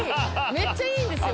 めっちゃいいんですよ